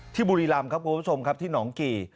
บุรีรำครับคุณผู้ชมครับที่หนองกี่